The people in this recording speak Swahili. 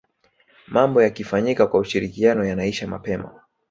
mambo yakifanyika kwa ushirikiano yanaisha mapema